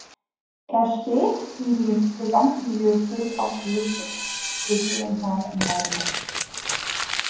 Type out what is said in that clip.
Er steht wie die gesamte Bibliothek auf der Liste der Kulturdenkmale in Weimar.